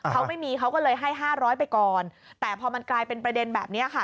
เขาไม่มีเขาก็เลยให้๕๐๐ไปก่อนแต่พอมันกลายเป็นประเด็นแบบนี้ค่ะ